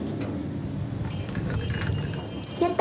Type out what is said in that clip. やった！